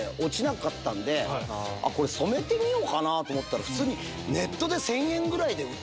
これ染めてみようかなと思ったら。